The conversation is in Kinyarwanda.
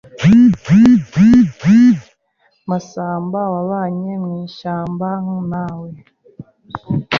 Masamba wabanye mu ishyamba nawe